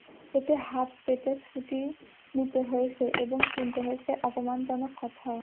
এতে হাত পেতে ছুটি নিতে হয়েছে এবং শুনতে হয়েছে অপমানজনক কথাও।